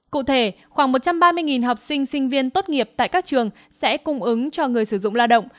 cụ thể khoảng một trăm ba mươi học sinh sinh viên tốt nghiệp tại các trường sẽ cung ứng cho người sử dụng lao động